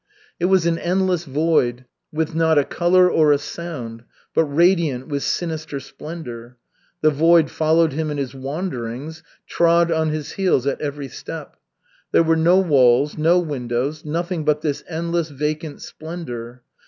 It was an endless void, with not a color or a sound, but radiant with sinister splendor. The void followed him in his wanderings, trod on his heels at every step. There were no walls, no windows, nothing but this endless vacant splendor.